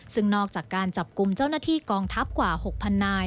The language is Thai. ซึ่งนอกจากการจับกลุ่มเจ้าหน้าที่กองทัพกว่า๖๐๐นาย